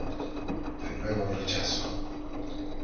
De nuevo rechazo.